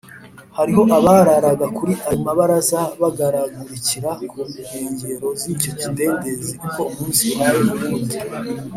. Hariho abararaga kuri ayo mabaraza, bagaragurikira ku nkengero z’icyo kidendezi uko umunsi uhaye uwundi